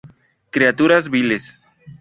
Criaturas viles".